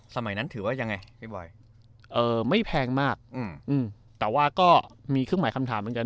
สมัยนั้นถือว่ายังไงพี่บอยไม่แพงมากอืมแต่ว่าก็มีเครื่องหมายคำถามเหมือนกัน